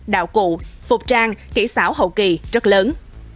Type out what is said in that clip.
đạo cụ phục trang kỹ xảo hậu kỳ rất lớn